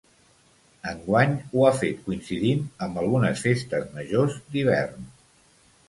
Enguany ho ha fet coincidint amb algunes festes majors d’hivern.